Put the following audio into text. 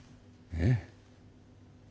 えっ？